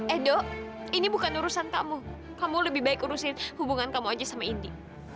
edo ini bukan urusan kamu kamu lebih baik urusin hubungan kamu aja sama indi